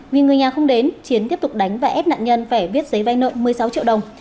vì người nhà không đến chiến tiếp tục đánh và ép nạn nhân phải viết giấy vay nợ một mươi sáu triệu đồng